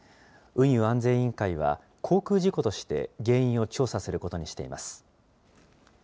運輸安全委員会は航空事故として原因を調査することにしています。